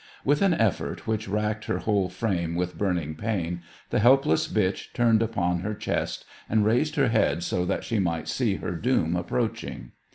With an effort which racked her whole frame with burning pain, the helpless bitch turned upon her chest and raised her head so that she might see her doom approaching.